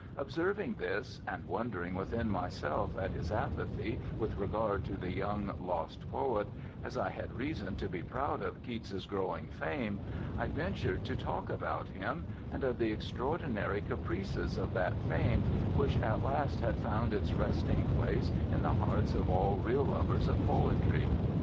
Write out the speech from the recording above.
Observing this, and wondering within myself at his apathy with regard to the young lost poet, as I had reason to be proud of Keats's growing fame, I ventured to talk about him, and of the extraordinary caprices of that fame, which at last had found its resting place in the hearts of _all real lovers of poetry.